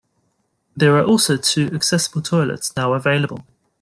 There are also two accessible toilets now available.